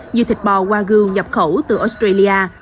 như thịt bò wagyu nhập khẩu từ australia